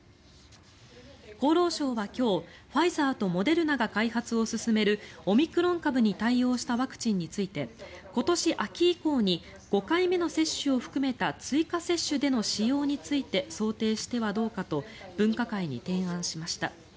厚労省は今日ファイザーとモデルナが開発を進めるオミクロン株に対応したワクチンについて今年秋以降に５回目の接種を含めた追加接種での使用について想定してはどうかと分科会に提案しました。